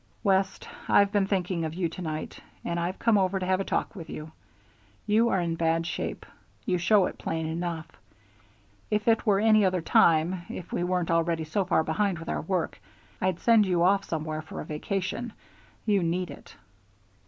"West, I've been thinking of you to night, and I've come over to have a talk with you. You are in bad shape. You show it plain enough. If it were any other time, if we weren't already so far behind with our work, I'd send you off somewhere for a vacation. You need it."